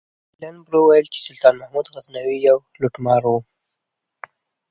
ایلن برو ویل چې سلطان محمود غزنوي یو لوټمار و.